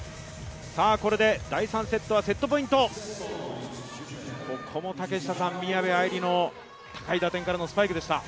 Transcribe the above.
これで第３セットはセットポイントここも宮部藍梨の高い打点からのスパイクでした。